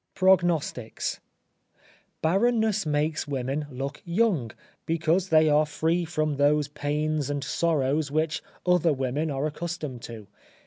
PROGNOSTICS. Barrenness makes women look young, because they are free from those pains and sorrows which other women are accustomed to.